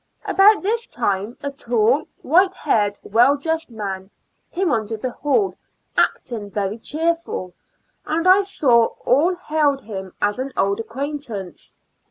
About this time a tall, white haired, well dressed man came on to the hall, acting very cheerful, and I saw all hailed him as an old acquaintance.